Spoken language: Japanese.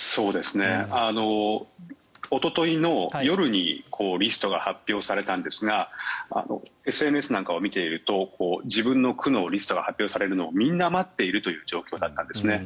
おとといの夜にリストが発表されたんですがＳＮＳなんかを見ていると自分の区のリストが発表されるのをみんな待っているという状況だったんですね。